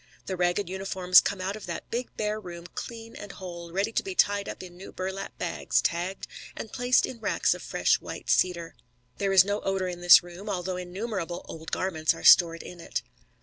The ragged uniforms come out of that big bare room clean and whole, ready to be tied up in new burlap bags, tagged, and placed in racks of fresh white cedar. There is no odour in this room, although innumerable old garments are stored in it.